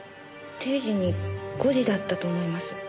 定時に５時だったと思います。